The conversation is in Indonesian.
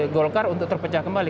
golkar untuk terpecah kembali